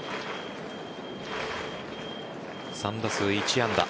３打数１安打。